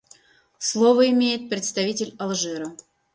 Слово имеет представитель Алжира.